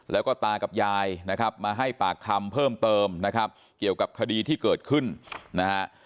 แล้วก็ตากับยายนะครับมาให้ปากคำเพิ่มเติมนะครับเกี่ยวกับคดีที่เกิดขึ้นนะฮะ